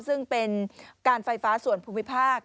ซึ่งเป็นการไฟฟ้าส่วนภูมิภาค